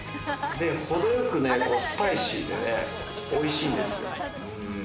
ほどよくスパイシーでね、おいしいんですよ。